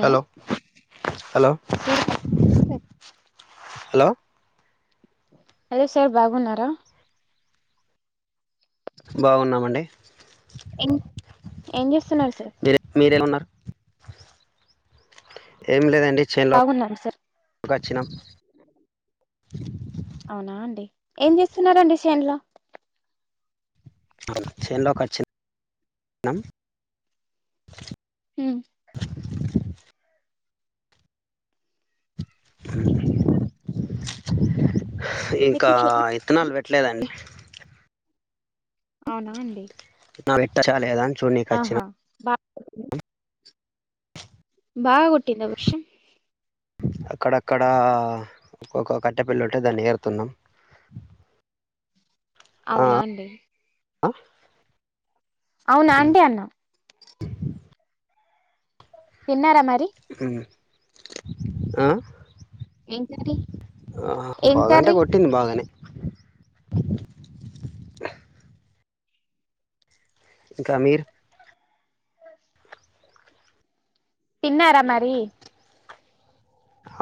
Hello hello sir బా hello hello sir బాగున్నారా బాగున్నామండి ఏం ఏం చేస్తున్నారు సార్ మీరు మీరెలా ఉన్నారు ఏం లేదండి బాగున్నాను సార్ కి వచ్చినాం అవునా అండి ఏం చేస్తున్నారండి సెన్లో సెన్లో కచ్చి [inaudible] నం ఉమ్ ఇంకా మీకు చేన్ ఇత్తనాలు పెట్టలేదండి అవునా అండి ఇత్తనాలు పెట్టొచ్చా లేదా అని చూడ్నీకి వచ్చిన ఆహా బా బాగా కొట్టిందా వర్షం అక్కడక్కడ ఒక్కొక్క కట్టెపుల్ల ఉంటే దాన్ని ఏరుతున్నాం ఆ అవునా అండి అవునాండి అన్నా తిన్నారా మరి ఉమ్ ఆ ఏం కర్రీ హా ఏం బాగాంటే కర్రీ కొట్టింది బాగానే ఇంకా మీరు తిన్నారా మరి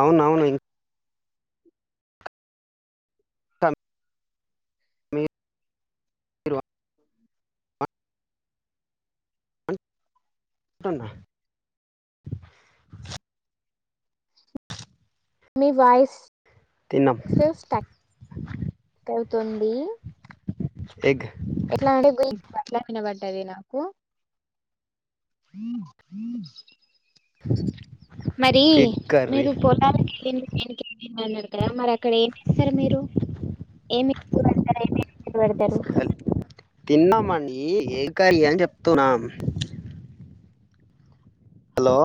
అవునవును ఇన్ మీరు [unintelligible] టున మీ వాయిస్ తిన్నాం స్టాక్ అవుతుంది ఎగ్ ఎట్లా అంటే [unintelligible] అట్లా వినబడ్డది నాకు మరి ఎగ్ కర్రీ మీరు పొలాలకి ఎల్లింది చెనుకు ఎల్లింది అన్నారు కదా మరి అక్కడ ఏం ఏస్తారు మీరు ఏమి ఇతులు పెడతారు ఏమేమి ఇతులు పెడతారు తిన్నామండి ఏం కర్రీ అని చెప్తున్నాం హలో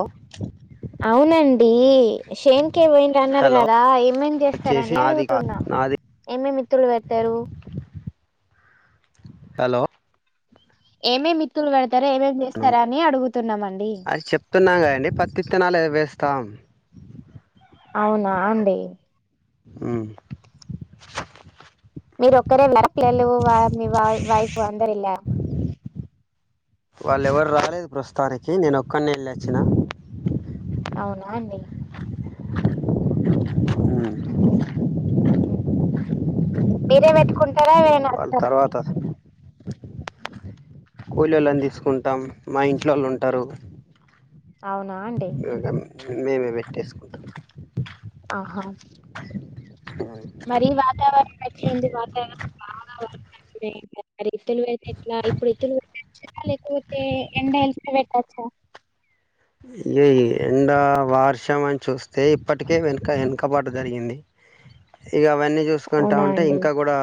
అవునండి శేన్కే పోయిన అన్నారు హలో కదా ఏమేమి వచ్చేసి చేస్తారని నాది కాదు అడుగుతున్నా నాది ఏం ఏం ఇతులు పెడతారు హలో ఏం ఏం ఇత్తులు పెడతారా ఏమేమి చేస్తారా అని అడుగుతున్నామండి అది చెప్తున్నా కదండి పత్తిత్తనాలే వేస్తాం అవునా అండి ఉ మీరు ఒక్కరేనా పిల్లలు వ మీ వైఫ్ అందరూ ఏళ్ళారా వాళ్ళు ఎవరు రాలేదు ప్రస్తుతానికి నేను ఒక్కనే ఏళ్ళ వచ్చిన అవునా అండి మీరే పెట్టుకుంటారా ఎవరైనా ఆస్తారు త్త కూలోళ్ళని తీసుకుంటాం మా ఇంట్లోళ్ళు ఉంటారు అవునా అండి మేమే పెట్టేసుకుంటాం ఆహా మరి వాతావరణం అట్లా ఉంది వాతావరణం మ ఇత్లు వెతే ఎట్లా ఇప్పుడు ఇతులు వె ఎండలు ఎక్కువైతే ఎండలు ఏల్తే వెట్టాచ్చ ఇ ఎండ వార్షం అని చూస్తే ఇప్పటికే వెనక వెనకబాటు జరిగింది ఇక అవన్నీ చూసుకుంటా అవునా ఉంటే అండి. ఇంకా కూడా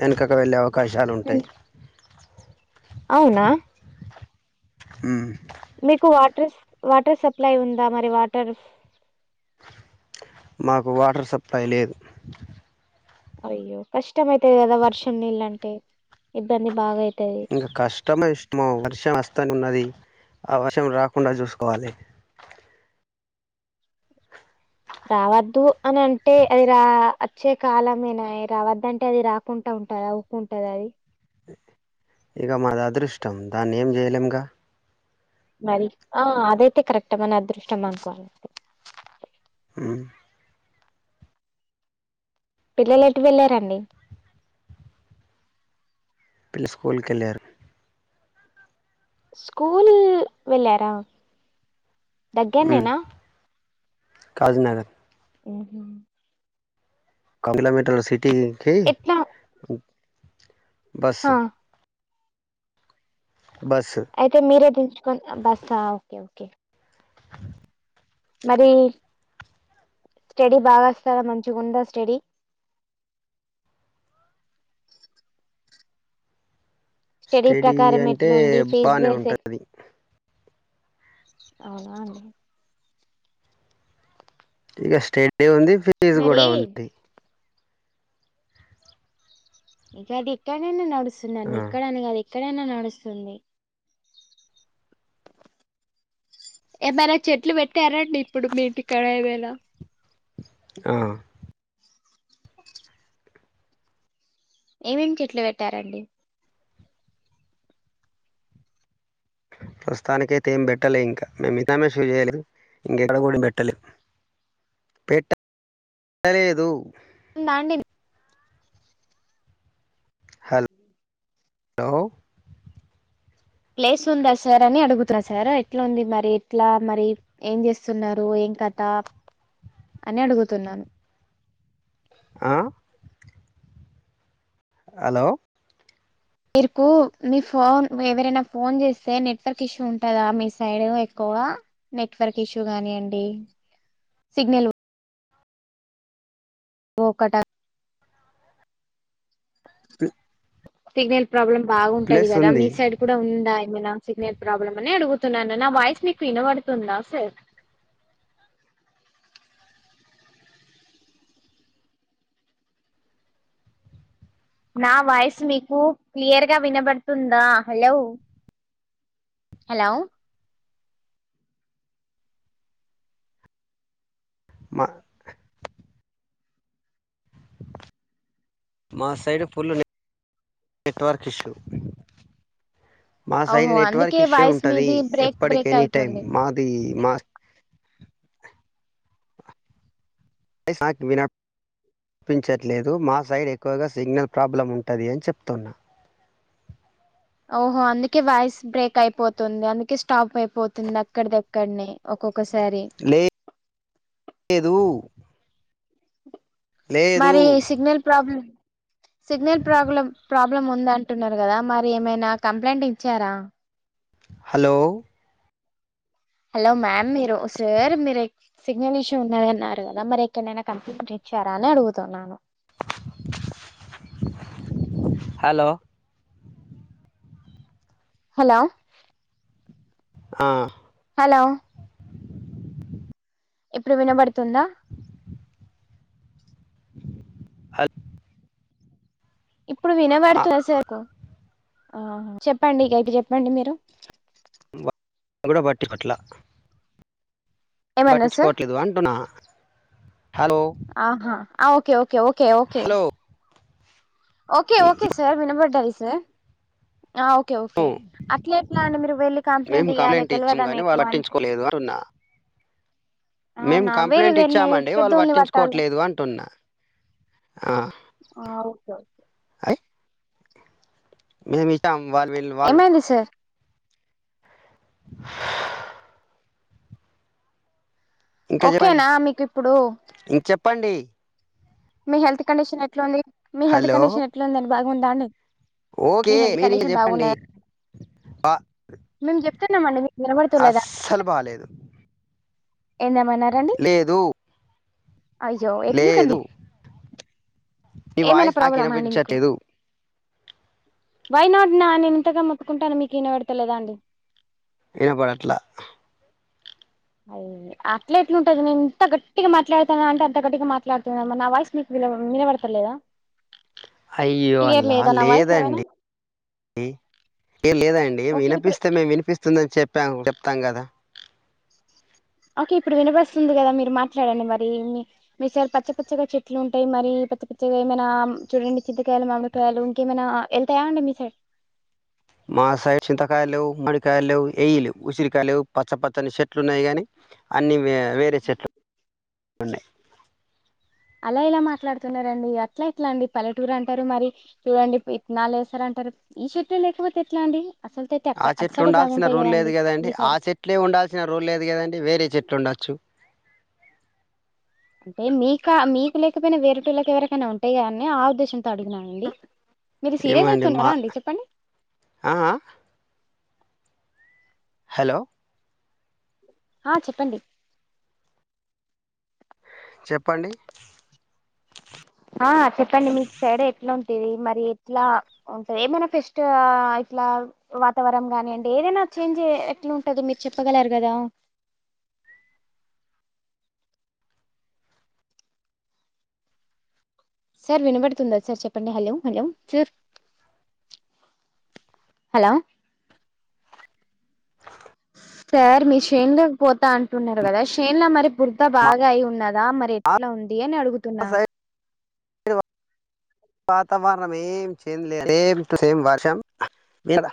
వెనకకు వెళ్ళే అవకాశాలు హ్మ్. ఉంటాయి అవునా ఉ మీకు వాటర్ వాటర్ సప్లై ఉందా మరి వాటరు మాకు వాటర్ సప్లై లేదు అయ్యో కష్టం అయితాది కదా వర్షం నీళ్ళుంటే ఇబ్బంది బాగా అయి ఇంకా కష్టమ ఇష్టము వర్షం వస్తని ఉన్నది ఆ వర్షం రాకుండా చూసుకోవాలి రావద్దు అనంటే అది రా వచ్చే కాలమేనా రావద్దంటే అది రాకుంటా ఉంటదా ఉంటదది ఇగ మాదదృష్టం దాన్నేం చేయలేముగా మరి ఆ అదైతే కరెక్ట్ మన అదృష్టమనుకోవాలి ఉమ్ పిల్లలెటు వెళ్ళారండి పిల్ స్కూల్కీళ్ళారు స్కూల్ వెళ్ళారా ఉమ్, దగ్గర్నేనా కాజీనగర్ ఊహు [unintelligible] కిలోమీటర్ సిటీకి ఎట్లా బస్ ఆ! బస్ అయితే మీరే దించుకొని బస్సా ఓకే ఓకే మరి స్టడీ బాగ వస్తాదా మంచిగుందా స్టడీ స్టడీ ప్రకారమేట్లుంది ఫేస్ బాగానే చేసే ఉంటుంది అవున అండి ఇక స్టడీ ఉంది ఫీజ్ మరి కూడా ఉంది ఇకది ఎక్కడైనా ఆ, నడుస్తుందండి ఇక్కడని కాదు ఎక్కడైనా నడుస్తుంది. ఏమైనా చెట్లు పెట్టారండి ఇప్పుడు మీ ఇంటిక్కడ ఏమైనా ఆ ఏమేమి చెట్లు పెట్టారండి ప్రస్తుతానికయితే ఏం పెట్టలే ఇంకా మేము [unintelligible] షూ చేయలే ఇంకెక్కడ కూ పెట్టలే పెట్ట లేదు దండి హల్ లో ప్లేస్ ఉందా సార్ అని అడుగుతున్నా సార్ ఎట్లుంది మరి ఎట్లా మరి ఏం చేస్తున్నారు ఏం కథ అనడుగుతున్నాను ఆ హలో మీరుకు మీ ఫోన్ ఎవరైనా ఫోన్ చేస్తే నెట్వర్క్ ఇష్యూ ఉంటదా మీ సైడ్ ఎక్కువ నెట్వర్క్ ఇష్యూ గానియండి సిగ్నల్ ఓ కటా పి సిగ్నల్ ప్రాబ్లమ్ బాగుంటది కదా మీ సైడ్ కూడా ఉందా ఏమైనా సిగ్నల్ ప్రాబ్లమనడుగుతున్నాను నా వాయిస్ మీకు వినబడుతుందా సార్. నా వాయిస్ మీకు క్లియర్ గా వినబడుతుందా హలో హలో మ మా సైడ్ పుల్లు నే నెట్వర్క్ ఇష్యూ మా సైడ్ ఓహో నెట్వర్క్ అందుకే ఇష్యూ వాయిస్ ఉంటది మీది బ్రేక్ ఎప్పటికి బ్రేక్ ఎనీ టైమ్ అవుతుంది మాది మా ఐస్ నాక్ వినబ్ పించట్లేదు మా సైడ్ ఎక్కువగా సిగ్నల్ ప్రాబ్లం ఉంటది అని చెప్తున్న. ఓహో అందుకే వాయిస్ బ్రేక్ అయిపోతుంది. అందుకే స్టాప్ అయిపోతుంది అక్కడిదక్కడనే. ఒక్కొక్కసారి లే దు లేదు మరి signal problem signal problem problem ఉందంటున్నారు కదా మరి ఏమైనా కంప్లైంట్ ఇచ్చారా? హలో హలో మ్యామ్ మీరు సార్ మీరె సిగ్నల్ ఇష్యూ ఉన్నదన్నారు కదా, మరి ఎక్కడైనా కంప్లంట్ ఇచ్చారా అని అడుగుతున్నాను. హలో హలో ఆ హలో ఇప్పుడు వినబడుతుందా? హల్ ఇప్పుడు ఆ, వినబడుతుందా సార్? ఆ చెప్పండి ఇక అయితే చెప్పండి మీరు. ఎప్పుడూ పట్టి పట్లా ఏమన్నారు సార్ పట్టించుకోవట్లేదు అంటున్నా హలో ఆహా! ఆ okay okay okay hello okay, ఈ- ఓకే సార్ వినబడ్డాది సార్. ఆ ఓకే ఓకే అట్లా ఎట్లా అండి మీరు వెళ్ళి కంప్లైంట్ ఇయ్యాలి తెలివదా మీకు అంతే ఎవ్వరున్నా మేము అవునా వేరే కంప్లైంట్ వేరే ఇచ్చామండి వాళ్ళు పెద్దోళ్ళని పట్టాలి పట్టించుకోట్లేదు అంటున్నా ఆ ఆ ఓకే మేమిస్తామ్ వాళ్ళు వీళ్ళు వాళ్ళు ఏమైంది సార్ ఇంకా చెప్పండి. ఓకేనా మీకు ఇప్పుడు చెప్పండి మీ హెల్త్ కండిషన్ ఎట్లా ఉంది? మీ హెల్త్ హలో కండిషన్ ఎట్లా ఉందండి? బాగుందా అండి? మీ ఓకే హెల్త్ మీరు ఇంక కండిషన్ చెప్పండి బాగున్నాదాండీ? మేము చెప్తున్నాంమండి. మీకు వినబడుతా లేదా అస్సలు బాలేదు. ఏంది, ఏమన్నారండి? లేదు అయ్యో, ఎందుకండీ లేదు మీ ఏమైనా వాయిస్ నాకు ప్రాబ్లమా అండి మీకు? వినిపించట్లేదు వై నాట్ నా నేను ఇంతగా మొత్తుకుంటున్నా కూడా మీకు వినపడతేలేదా అండి? వినపడట్లా అరెరే అట్లా ఎట్లుంటాది. నేను ఎంత గట్టిగా మాట్లాడుతాన్నా అంటే అంత గట్టిగా మాట్లాడుతున్నా నా వాయిస్ మీకు వినబడతలేదా? అయ్యో క్లియర్ అల్లా లేదా నా వాయిస్ ఏమైనా లేదండి ఏ లేదండి, ఓకే ఇప్పుడు వినిపిస్తే మేము వినిపిస్తుందని చెప్పాము చెప్తాం కదా? ఓకే ఇప్పుడు వినిపిస్తుంది కదా మీరు మాట్లాడండి మరి మీ మీసైడ్ పచ్చపచ్చగా చెట్లు ఉంటాయి. మరి పచ్చ పచ్చగా ఏమైనా చూడండి చింతకాయలు మామి డికాయలు ఇంకేమైనా వెళ్తాయా అండి మీ సైడ్ మాసైడ్ చింతకాయలు లేవు, మామిడికాయలు లేవు, ఏయిలేవు, ఉసిరికాయలు లేవు. పచ్చ పచ్చని చెట్లు ఉన్నాయి. కానీ అన్నీ వేరే చెట్లు ఉన్నాయి. అలా ఎలా మాట్లాడుతున్నారండి అట్లా ఎట్లా అండి పల్లెటూరు అంటారు మరి. చూడండి విత్తనాలు వేశారు అంటారు. ఈ చెట్లు లేకపోతే ఎట్లా అండి అసలు తె ఆ చెట్లు ఉండాల్సిన రూల్ లేదు కదాండి. ఆ సైడ్ చెట్లే ఉండాల్సిన రూల్ లేదు కదండీ వేరే చెట్లు ఉండొచ్చు. అంటే మీకా మీకు లేకపోయినా వేరెటోళ్ళకి ఎవరికైనా ఉంటయ్ కదా అన్ని ఆ ఉద్దేశం త్తగ అడిగినానండి మీరు సీరియస్ ఏమండి మా అయితున్నారా అండి చెప్పండి ఆ ఆ హలో ఆ చెప్పండి చెప్పండి ఆ చెప్పండి మీకు సైడు ఎట్లు ఉంటిది మరి ఎట్లా వుంటే ఏమనా ఫెస్టుఆ ఇట్లా వాతావరణం గానీ అండి ఏదైనా చేంజ్ ఎట్లుంటది మీరు చెప్పగలరు కదా సార్ వినబడుతుందా సార్ చెప్పండి hello hello sir hello square మీషిన్ల్ కుపోతా అంటున్నారు కదా షేన్ల మరి బురద బాగా అయి ఉన్నదా మరి ఆ ఎట్లా ఉంది అని మా అడుగుతున్నా సైడ్ వాతవరణం ఏం చేంజ్ లేదు సేమ్ టూ సేమ్ వర్షం కదా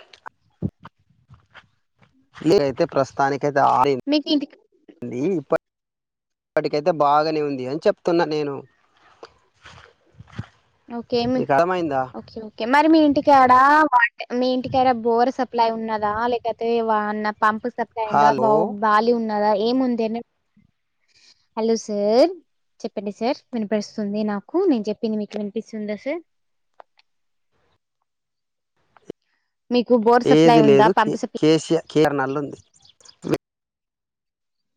[inaudible] ప్రస్తుతానికి ఐతే హాల్డే మీక్ ఇంటిక్ ఇది ఇప్పటికైతే బాగానే ఉంది అని చెప్తున్నా నేను ఓకే మీ మీకు అర్థమైందా ఓకే ఒకే మరి మీ ఇంటికాడ వాట్ మీ ఇంటికాడ బోర్ సప్లై ఉన్నదా లేకపోతే ఏవనా పంప్ సప్ అయిందా హలో బావు బాలి ఉన్నదా ఏముంది హలో సార్ చెప్పండి సార్ వినిపిస్తుంది నాకు నేను చెప్పింది మీకు వి వినిపిస్తుందా సార్ మీకు బోర్ సప్లై ఏది ఉందా లేదు కే పంపు సప్లై కేసీఆర్ నల్ల ఉంది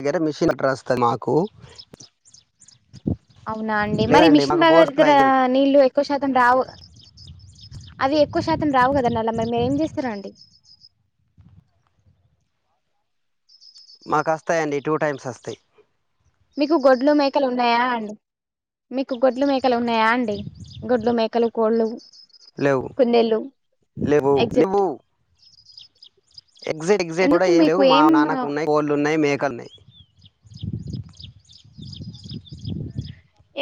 ఈగటే మిషన్ క్రాస్ కదా మాకు అవునా అండి మరి లేదండి మిషన్ మాకు భగీరథ బోర్ సప్లై దగ్గరా లేదు నీళ్ళు ఎక్కువ శాతం రావు అవి ఎక్కువ శాతం రావు కదా నల్ల మరి మేం చేస్తారన్డి మాకొస్తాయండి టూ టైమ్స్ వస్తాయ్ మీకు గొడ్లు మేకలు ఉండయా అండి మీకు గొడ్లు మేక్ మేకలు ఉన్నాయా అండి గొడ్లు మేకలు కోళ్ళు లేవు కుందేళ్ళు లేవు ఎక్జిట్ లేవు ఎగ్జిట్ ఎగ్జిట్ కూడా ఎందుకు ఏం లేవు మీకు మా నాన్నకు ఉన్నాయి కోళ్ ఉన్నయ్ మేకలు ఉన్నయ్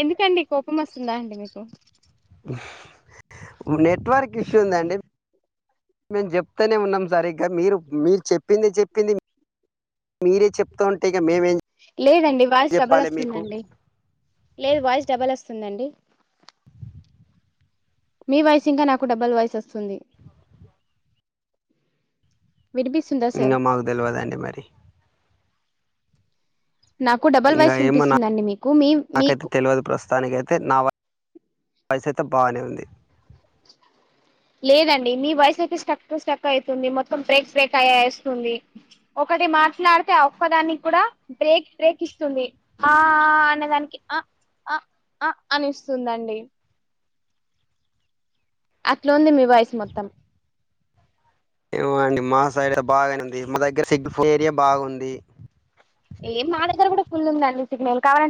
ఎందుకండి కోపం వస్తుందా అండి మీకు నెట్వర్క్ ఇష్యూ ఉందండి మేము చెప్తూనే ఉన్నాం సరిగ్గా మీరు మీర్ చెప్పిందే చెప్పింది మీరే చెపుతుంటే ఇగ మేమేం లేదండి వాయిస్ డబల్ చెప్పాలి మీకు వస్తుందండి లేదు వాయిస్ డబల్ వస్తుందండి మీ వాయిస్ ఇంకా నాకు డబల్ వాయిస్ వస్తుంది వినిపిస్తుందా ఇంగ సార్ మాకు తెలువదండి మరి నాకు డబల్ వాయిస్ వినిపిస్తుందండి మీకు మీ మీకు తెలవదు ప్రస్ తానికి అయితే నా వయసు అయితే బానే ఉంది లేదండి మీ వాయిస్ అయితే స్టక్ స్టక్ అవుతుంది మొత్తం బ్రేక్ బ్రేక్ అయ వస్తుంది ఒకటి మాట్లాడితే ఆ ఒక్కదానికి కూడా బ్రేక్ బ్రేక్ ఇస్తుంది ఆ అన్నదానికి అ అ అ అని ఇస్తుందండి అట్లుంది మీ వాయిస్ మొత్తం ఏమండీ మా సైడ్ బాగానే ఉంది మా దగ్గర సిగ ఏరియా బాగుంది ఏం మా దగ్గర కూడా ఫుల్ ఉందండి సిగ్నల్ కావాలంటే